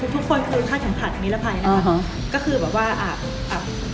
ทุกคนหนึ่งค่าของผลัดมิระไพรนะครับ